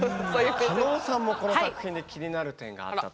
加納さんもこの作品で気になる点があったと。